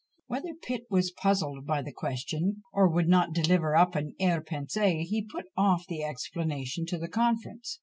Whether Pitt was puzzled by the question, or would not deliver up an arrière pensée, he put off the explanation to the conference.